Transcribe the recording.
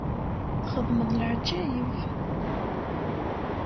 Txedmeḍ leɛǧayeb.